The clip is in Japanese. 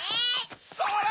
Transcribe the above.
それ！